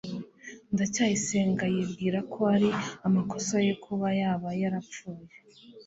ndacyayisenga yibwira ko ari amakosa ye kuba jabo yarapfuye